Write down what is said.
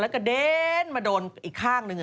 แล้วก็เด้นมาโดนอีกข้างหนึ่ง